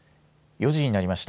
４時になりました。